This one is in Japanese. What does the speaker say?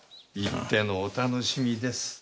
行ってのお楽しみです。